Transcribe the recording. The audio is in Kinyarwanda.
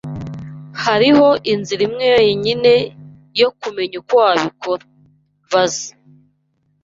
Hariho inzira imwe yonyine yo kumenya uko wabikora. Baza .